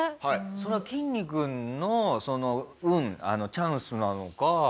それはきんに君のその運チャンスなのか